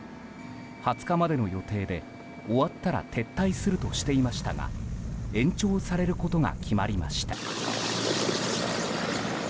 ２０日までの予定で終わったら撤退するとしていましたが延長されることが決まりました。